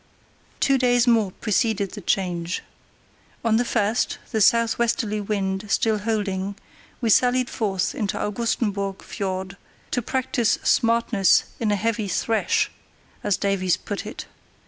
Two days more preceded the change. On the first, the southwesterly wind still holding, we sallied forth into Augustenburg Fiord, "to practise smartness in a heavy thresh," as Davies put it.